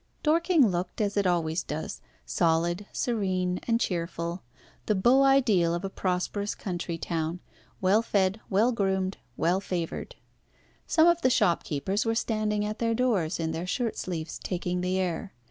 Dorking looked, as it always does, solid, serene, and cheerful, the beau ideal of a prosperous country town, well fed, well groomed, well favoured. Some of the shopkeepers were standing at their doors in their shirt sleeves taking the air.